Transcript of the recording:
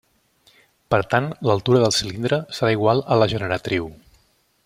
Per tant l'altura del cilindre serà igual a la generatriu.